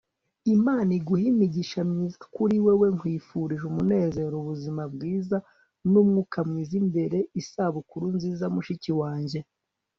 imana iguhe imigisha myiza kuri wewe. nkwifurije umunezero, ubuzima bwiza numwaka mwiza imbere. isabukuru nziza mushiki wanjye